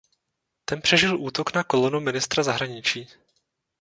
Ten přežil útok na kolonu ministra zahraničí.